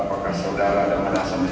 apakah saudara anda merasa menyesal